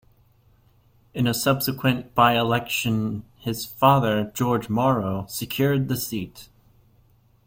In a subsequent by-election, his father, George Morrow, secured the seat.